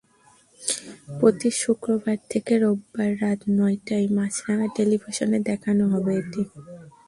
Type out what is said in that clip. প্রতি শুক্র থেকে রোববার রাত নয়টায় মাছরাঙা টেলিভিশনে দেখানো হবে এটি।